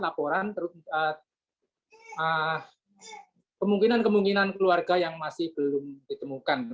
laporan kemungkinan kemungkinan keluarga yang masih belum ditemukan